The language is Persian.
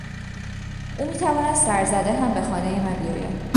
او میتواند سرزده هم به خانهی من بیاید.